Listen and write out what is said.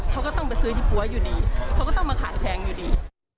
เขาก็ต้องไปซื้อยี่ปั๊วอยู่ดีเขาก็ต้องมาขายแพงอยู่ดี